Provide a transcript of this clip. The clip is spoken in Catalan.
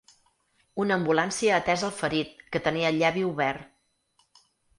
Una ambulància ha atès el ferit, que tenia el llavi obert.